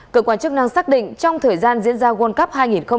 cơ quan chức năng xác định trong thời gian diễn ra world cup hai nghìn hai mươi